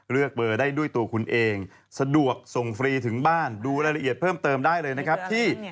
เลือกเบอร์ได้ด้วยตัวคุณเองสะดวกส่งฟรีถึงบ้านดูรายละเอียดเพิ่มเติมได้เลยนะครับที่